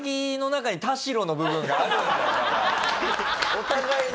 お互いに。